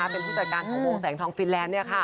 เป็นผู้จัดการของวงแสงทองฟินแลนด์